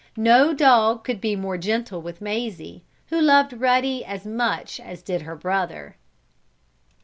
No dog could be more gentle with Mazie, who loved Ruddy as much as did her brother.